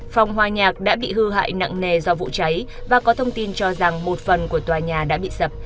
phòng hòa nhạc đã bị hư hại nặng nề do vụ cháy và có thông tin cho rằng một phần của tòa nhà đã bị sập